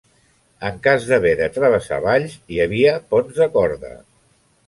En cas d'haver de travessar valls hi havia ponts de corda.